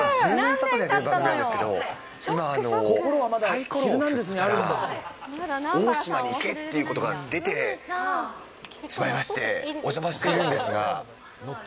サタデーという番組なんですけど、今、さいころを振ったら、大島に行けっていうことが出てしまいまして、お邪魔してるんですが。